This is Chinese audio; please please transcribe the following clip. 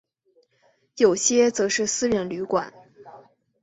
有些则是私人旅馆。